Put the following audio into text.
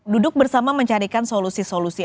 duduk bersama mencarikan solusi solusi